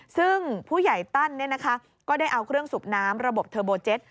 ซึ่งผู้ใหญ่ตั้นก็ได้เอาเครื่องสูบน้ำระบบเทอร์โบเจ็ต